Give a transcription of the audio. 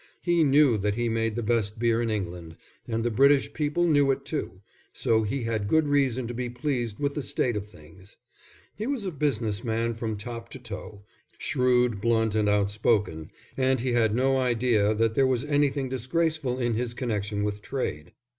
He knew that he made the best beer in England, and the British people knew it too, so he had good reason to be pleased with the state of things. He was a business man from top to toe, shrewd, blunt and outspoken, and he had no idea that there was anything disgraceful in his connection with trade.